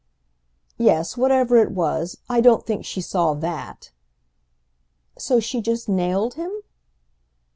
"Yes, whatever it was, I don't think she saw that." "So she just nailed him?"